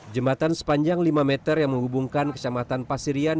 jembatan sepanjang lima meter yang menghubungkan kecamatan pasirian